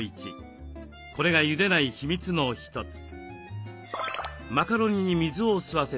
これがゆでない秘密の一つ。